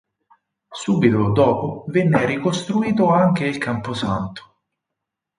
Subito dopo venne ricostruito anche il camposanto.